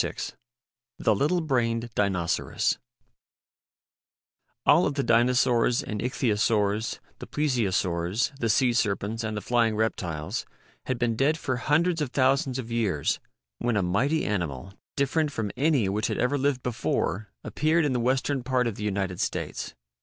"Sa^R^E THE LITTLE BRAINED DINOCERAS ALL of the Dinosaurs and Ichthyosaurs, the Plesiosaurs, the sea serpents, and the flying reptiles, had been dead for hundreds of thousands of years when a mighty animal different from any which had ever lived before appeared in the western part of the United States.